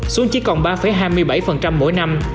xuống chỉ còn ba hai mươi bảy mỗi năm